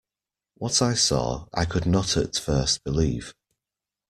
What I saw I could not at first believe.